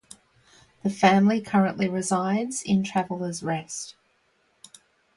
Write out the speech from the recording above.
The family currently resides in Travelers Rest.